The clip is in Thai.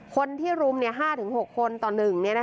คนที่รุม๕๖คนต่อ๑